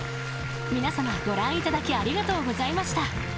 ［皆さまご覧いただきありがとうございました］